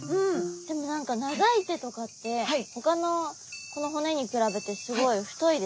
でも何か長い手とかってほかの骨に比べてすごい太いですね。